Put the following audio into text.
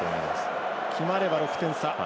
決まれば６点差。